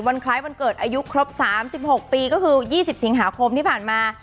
คล้ายวันเกิดอายุครบ๓๖ปีก็คือ๒๐สิงหาคมที่ผ่านมา